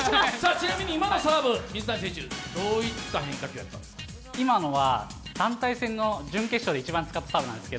ちなみに今のサーブ、水谷選手、どういった変化球だったんですか？